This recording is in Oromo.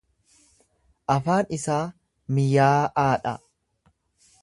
Afaan isaa miyaa'aa dha.